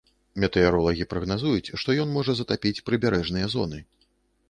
Метэаролагі прагназуюць, што ён можа затапіць прыбярэжныя зоны.